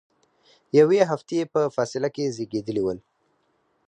یوې هفتې په فاصله کې زیږیدلي ول.